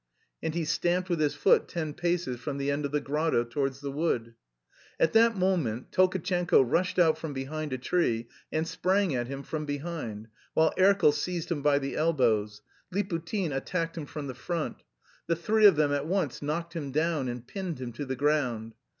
And he stamped with his foot ten paces from the end of the grotto towards the wood. At that moment Tolkatchenko rushed out from behind a tree and sprang at him from behind, while Erkel seized him by the elbows. Liputin attacked him from the front. The three of them at once knocked him down and pinned him to the ground.